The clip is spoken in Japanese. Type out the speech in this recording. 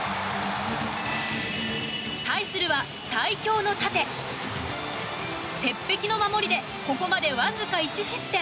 対するは最強の盾鉄壁の守りでここまでわずか１失点。